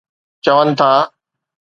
چون ٿا.